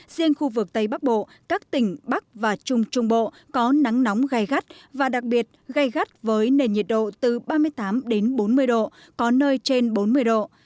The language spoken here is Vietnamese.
riêng khu vực tây bắc bộ các tỉnh bắc và trung trung bộ có nắng nóng gai gắt và đặc biệt gây gắt với nền nhiệt độ từ ba mươi tám đến bốn mươi độ có nơi trên bốn mươi độ